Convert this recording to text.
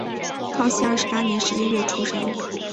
康熙二十八年十一月出生。